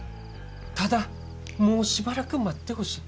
ただもうしばらく待ってほしい。